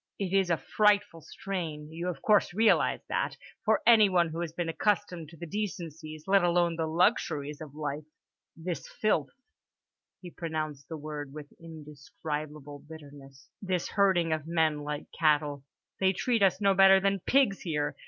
"It is a frightful strain—you of course realise that—for anyone who has been accustomed to the decencies, let alone the luxuries, of life. This filth"—he pronounced the word with indescribable bitterness—"this herding of men like cattle—they treat us no better than pigs here.